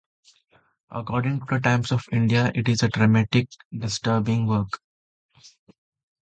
According to the Times of India, it is a "dramatic, disturbing work".